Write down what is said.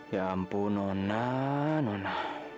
ya ampun nona